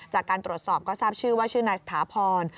จากการตรวจสอบก็ทราบชื่อว่าชื่อนายสถาพร